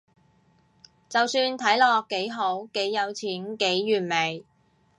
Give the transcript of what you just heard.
就算睇落幾好，幾有錢，幾完美